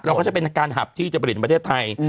ก็จะเป็นการหับที่จะผลิตประเทศไทย